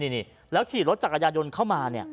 นี่แล้วขี่รถจากอายานยนต์เข้ามา